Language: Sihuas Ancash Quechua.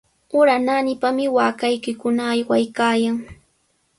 Ura naanipami waakaykikuna aywaykaayan.